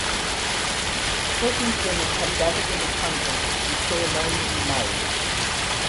Pregnant women have gathered in the convent to be ceremonially married.